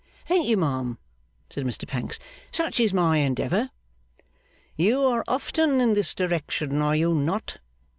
'Thank you, ma'am,' said Mr Pancks, 'such is my endeavour.' 'You are often in this direction, are you not?